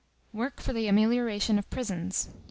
50 " Work for the amelioration of prisons